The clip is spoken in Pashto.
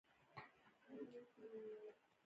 نیزه وهل په کومو ولایتونو کې دود دي؟